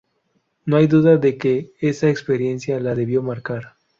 No hay duda de que esa experiencia la debió marcar.